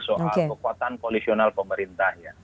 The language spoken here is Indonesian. soal kekuatan koalisional pemerintah